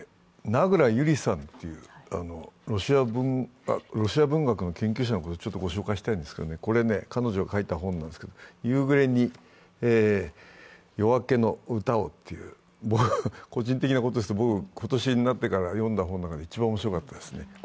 奈倉有里さんというロシア文学の研究者をちょっと御紹介したいんですが彼女が書いた本なんですけれども、「夕暮れに夜明けの歌を」という個人的なことですが、僕、今年になってから読んだ本の中で一番面白かったですね。